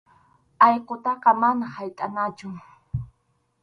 Allqutaqa manam haytʼanachu.